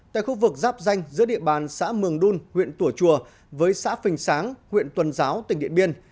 tại khu vực giáp danh giữa địa bàn xã mường đun huyện tùa chùa với xã phình sáng huyện tuần giáo tỉnh điện biên